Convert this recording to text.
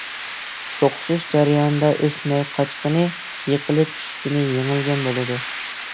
سوقۇشۇش جەريانىدا ئۈسمەي قاچقىنى، يىقىلىپ چۈشكىنى يېڭىلگەن بولىدۇ.